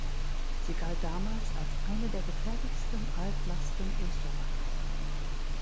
Sie galt damals als eine der gefährlichsten Altlasten Österreichs.